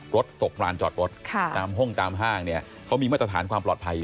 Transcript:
รถตกรานจอดรถตามห้องตามห้างเนี่ยเขามีมาตรฐานความปลอดภัยอยู่